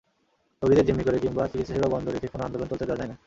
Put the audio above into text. রোগীদের জিম্মি করে কিংবা চিকিৎসাসেবা বন্ধ রেখে কোনো আন্দোলন চলতে দেওয়া যায় না।